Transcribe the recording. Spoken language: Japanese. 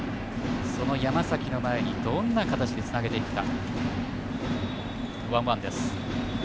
山崎の前にどんな形でつなげていくか。